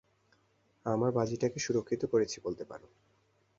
আমার বাজিটাকে সুরক্ষিত করছি, বলতে পারো।